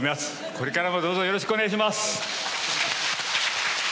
これからもどうぞよろしくお願いします。